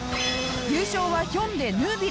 優勝はヒョンデヌービル